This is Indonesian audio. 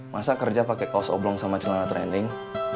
masa kerja pakai kaos oblong sama celana trending